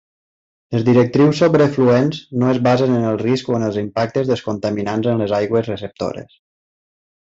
Les directrius sobre efluents no es basen en el risc o en els impactes dels contaminants en les aigües receptores.